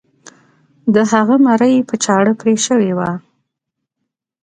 د هغه مرۍ په چاړه پرې شوې وه.